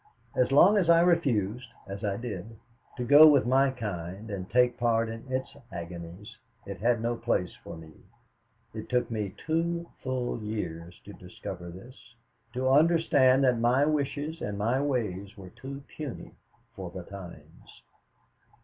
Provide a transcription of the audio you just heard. As long as I refused, as I did, to go with my kind and take part in its agonies, it had no place for me. It took me two full years to discover this, to understand that my wishes and my ways were too puny for the times.